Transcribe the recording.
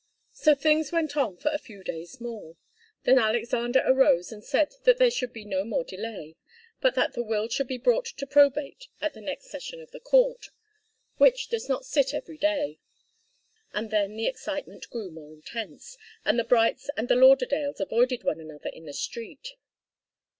So things went on for a few days more. Then Alexander arose and said that there should be no more delay, but that the will should be brought to probate at the next session of the court, which does not sit every day. And then the excitement grew more intense, and the Brights and the Lauderdales avoided one another in the street.